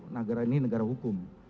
negara ini negara hukum